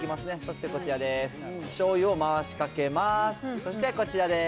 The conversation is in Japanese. そしてこちらです。